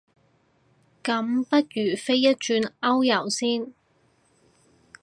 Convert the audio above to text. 咁不如飛一轉歐遊先